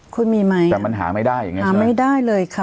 คุณมีไหมแต่มันหาไม่ได้อย่างเงี้หาไม่ได้เลยค่ะ